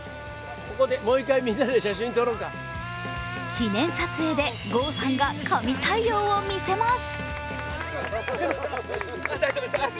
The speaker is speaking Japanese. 記念撮影で郷さんが神対応をみせます。